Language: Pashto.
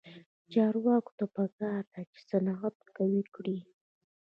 چارواکو ته پکار ده چې، صنعت قوي کړي.